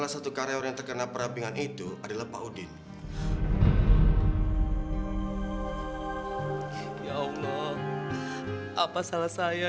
saya dan keluarga saya